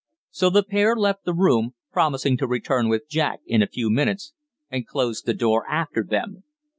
So the pair left the room, promising to return with Jack in a few minutes, and closed the door after them.